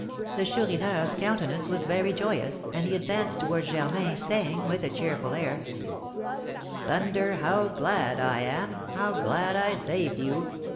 The Chourineur's countenance was very joyous, and he advanced towards Germain, saying, with a cheerful air: "Thunder! How glad I am! How glad I saved you!"